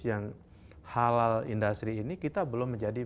yang halal industri ini kita belum menjadi